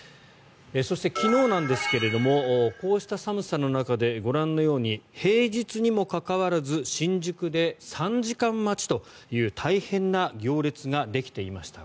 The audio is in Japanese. そして、昨日ですがこうした寒さの中でご覧のように平日にもかかわらず新宿で３時間待ちという大変な行列ができていました。